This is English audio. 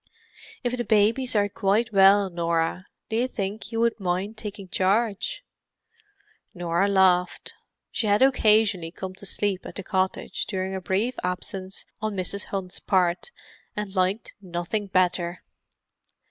If the babies are quite well, Norah, do you think you would mind taking charge?" Norah laughed. She had occasionally come to sleep at the cottage during a brief absence on Mrs. Hunt's part, and liked nothing better.